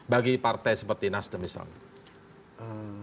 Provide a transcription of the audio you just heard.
bagi partai seperti nasdem misalnya